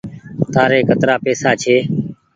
تآري ڪترآ پئيسا ڇي۔